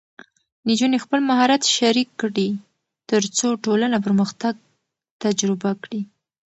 نجونې خپل مهارت شریک کړي، ترڅو ټولنه پرمختګ تجربه کړي.